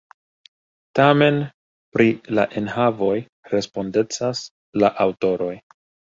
Tamen, pri la enhavoj respondecas la aŭtoroj.